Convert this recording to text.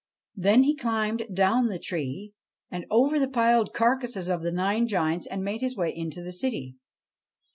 Then he climbed down the tree, and over the piled carcases of the nine giants, and made his way into the city.